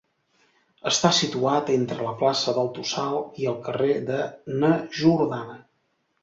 Està situat entre la plaça del Tossal i el carrer de Na Jordana.